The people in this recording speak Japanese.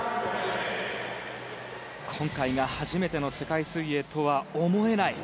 今回が初めての世界水泳とは思えない